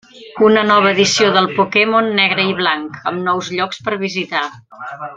Una nova edició del Pokémon Negre i Blanc, amb nous llocs per visitar.